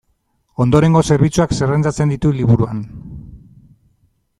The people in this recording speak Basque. Ondorengo zerbitzuak zerrendatzen ditu liburuan.